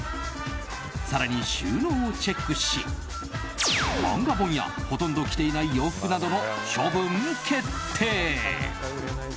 更に、収納をチェックし漫画本や、ほとんど着ていない洋服などの処分決定。